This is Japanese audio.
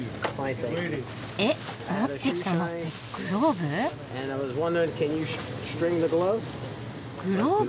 えっ持ってきたのってグローブ？